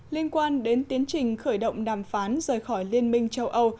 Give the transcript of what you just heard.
liên quan đến tiến trình khởi động đàm phán rời khỏi liên minh châu âu